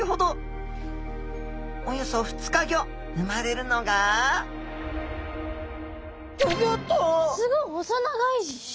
およそ２日後生まれるのがすごい細長いし何か何これ？